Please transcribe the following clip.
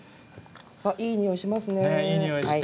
いいにおいがしますね。